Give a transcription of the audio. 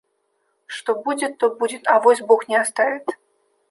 Что будет, то будет; авось бог не оставит.